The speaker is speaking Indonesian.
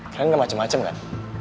kalian ngak macem macem gak